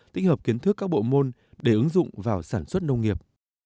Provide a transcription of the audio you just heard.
tích hợp kiến thức các bộ môn để ứng dụng vào sản xuất nông nghiệp